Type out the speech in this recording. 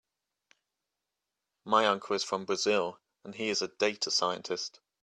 My uncle is from Brazil and he is a data scientist.